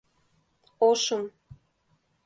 Ошым.